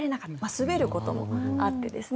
滑ることもあってですね。